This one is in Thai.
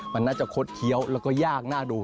มันน่าจะคดเคี้ยวแล้วก็ยากน่าดู